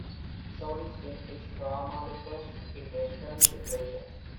So this king is "Rama the First" in Western literature.